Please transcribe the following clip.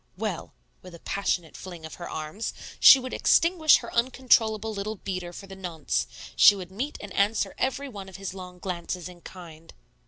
Well (with a passionate fling of her arms), she would extinguish her uncontrollable little beater for the nonce; she would meet and answer every one of his long glances in kind.